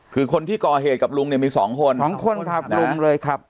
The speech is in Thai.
คือคนที่ก่อเหตุกับลุงเนี่ยมีสองคนสองคนครับลุงเลยครับ